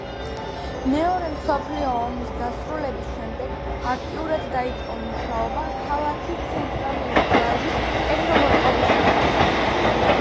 მეორე მსოფლიო ომის დასრულების შემდეგ აქტიურად დაიწყო მუშაობა ქალაქის ცენტრალური პლაჟის კეთილმოწყობისათვის.